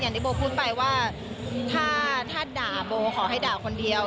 ที่โบพูดไปว่าถ้าด่าโบขอให้ด่าคนเดียว